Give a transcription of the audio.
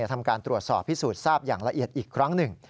ทำการตรวจสอบพิสูจน์ทราบอย่างละเอียดอีกครั้งหนึ่ง